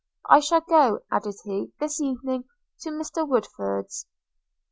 – I shall go,' added he, 'this evening to Mr Woodford's.'